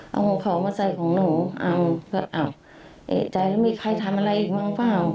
เอาของเขามาใส่ของหนูเอาก็อ้าวเอกใจแล้วมีใครทำอะไรอีกบ้างเปล่า